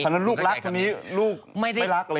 ฉะนั้นลูกรักทีนี้ลูกไม่รัก